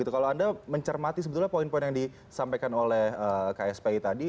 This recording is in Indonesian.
kalau anda mencermati sebetulnya poin poin yang disampaikan oleh kspi tadi